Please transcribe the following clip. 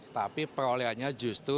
tapi perolehannya justru